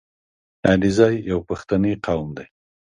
• علیزي یو پښتني قوم دی.